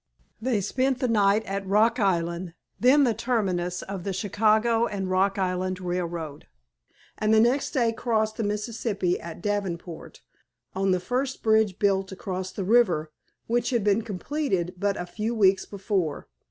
They spent the night at Rock Island, then the terminus of the Chicago and Rock Island Railroad, and the next day crossed the Mississippi at Davenport, on the first bridge built across the river, which had been completed but a few weeks before.